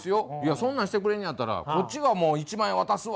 「そんなんしてくれんのやったらこっちがもう１万円渡すわ」